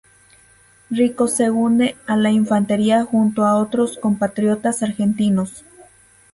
Rico se une a la Infantería junto a otros compatriotas argentinos.